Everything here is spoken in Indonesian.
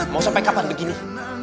mau sampai kapan begini